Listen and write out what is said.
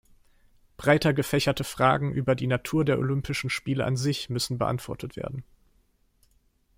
Breiter gefächerte Fragen über die Natur der olympischen Spiele an sich müssen beantwortet werden.